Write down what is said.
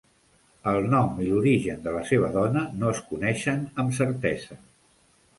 El nom i l'origen de la seva dona no es coneixen amb certesa.